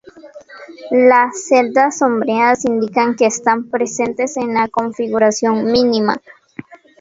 Las celdas sombreadas indican que están presentes en la configuración mínima.